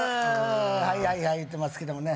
はいはいはい言ってますけどもね